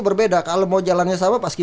berbeda kalau mau jalannya sama paski